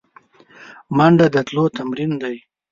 منډه د تلو تمرین دی